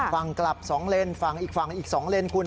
ฝั่งกลับ๒เลนส์ฝั่งอีกฝั่งอีก๒เลนคุณ